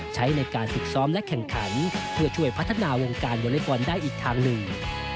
ใช้ในการฝึกซ้อมและแข่งขันเพื่อช่วยพัฒนาวงการวอเล็กบอลได้อีกทางหนึ่ง